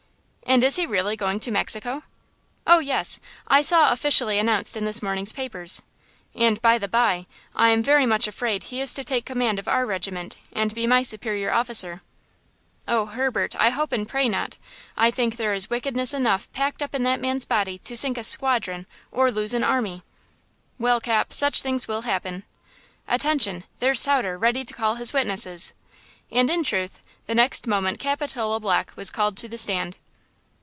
"And is he really going to Mexico?" "Oh, yes! I saw it officially announced in this morning's papers. And, by the bye, I am very much afraid he is to take command of our regiment, and be my superior officer!" "Oh, Herbert, I hope and pray not! I think there is wickedness enough packed up in that man's body to sink a squadron or lose an army!" "Well, Cap, such things will happen. Attention! There's Sauter, ready to call his witnesses!" And, in truth, the next moment Capitola Black was called to the stand.